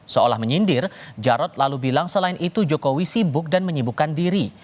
seolah menyindir jarod lalu bilang selain itu jokowi sibuk dan menyibukkan diri